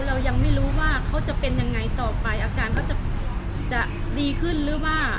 เรายังไม่รู้ว่าเขาจะเป็นยังไงต่อไปอาการเขาจะดีขึ้นหรือว่า